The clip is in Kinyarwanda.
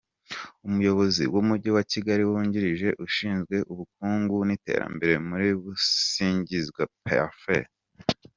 Umuyobozi w’Umujyi wa Kigali wungirije ushinzwe ubukungu n’iterambere muri ni Busangizwa Parfait.